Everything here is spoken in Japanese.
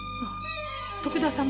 徳田様。